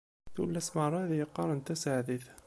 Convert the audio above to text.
Tullas meṛṛa ad yi-qqarent taseɛdit.